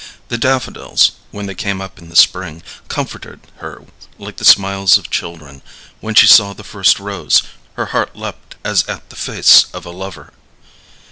The daffodils, when they came up in the spring, comforted her like the smiles of children; when she saw the first rose, her heart leaped as at the face of a lover.